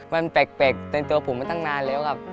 มันแปลกเต็มตัวผมมาตั้งนานแล้วครับ